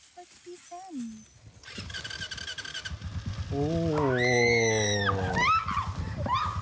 お！